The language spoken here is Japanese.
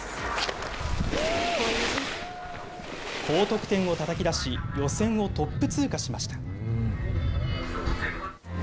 高得点をたたき出し、予選をトップ通過しました。